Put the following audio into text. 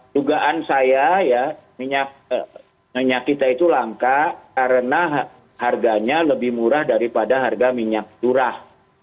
dugaan saya ya minyak kita itu langka karena harganya lebih murah daripada harga minyak curah